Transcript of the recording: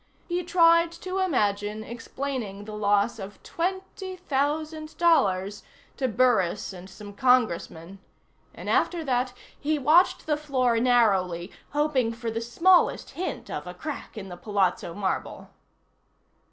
He tried to imagine explaining the loss of $20,000 to Burris and some congressmen, and after that he watched the floor narrowly, hoping for the smallest hint of a crack in the palazzo marble.